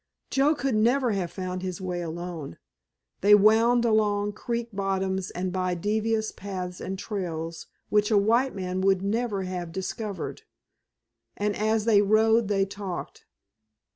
Joe could never have found his way alone. They wound along creek bottoms and by devious paths and trails which a white man would never have discovered, and as they rode they talked.